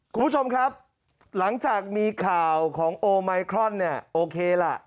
คุณผู้ชมครับหลังจากมีข่าวของโอไมครอนเนี่ยโอเคล่ะ